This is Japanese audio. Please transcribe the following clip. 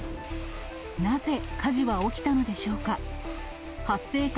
なぜ火事は起きたのでしょうか。